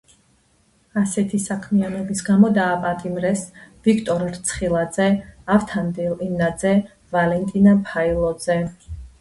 ასეთი საქმიანობის გამო დააპატიმრეს ვიქტორ რცხილაძე, ავთანდილ იმნაძე, ვალენტინა ფაილოძე.